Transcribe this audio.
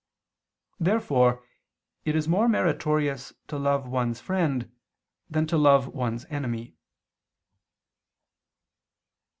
Therefore it is more meritorious to love one's friend than to love one's enemy.